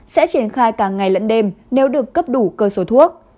sẽ triển khai cả ngày lẫn đêm nếu được cấp đủ cơ số thuốc